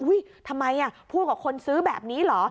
ทำไมพูดกับคนซื้อแบบนี้เหรอ